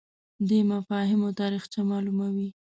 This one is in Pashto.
دی مفاهیمو تاریخچه معلوموي